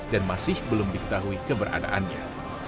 dan masih belum diketahui keberadaannya